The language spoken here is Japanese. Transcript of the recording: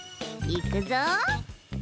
いくぞ！